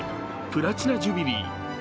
プラチナ・ジュビリー。